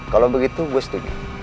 kalau begitu gue setuju